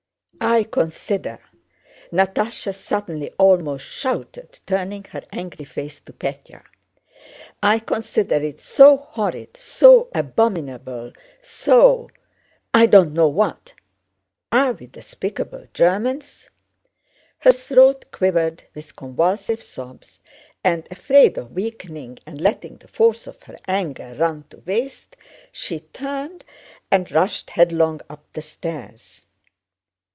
"I consider," Natásha suddenly almost shouted, turning her angry face to Pétya, "I consider it so horrid, so abominable, so... I don't know what. Are we despicable Germans?" Her throat quivered with convulsive sobs and, afraid of weakening and letting the force of her anger run to waste, she turned and rushed headlong up the stairs.